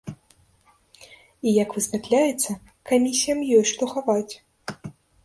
І як высвятляецца, камісіям ёсць што хаваць!